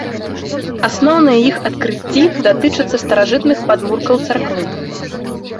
Асноўныя іх адкрыцці датычацца старажытных падмуркаў царквы.